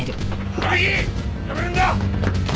並木やめるんだ！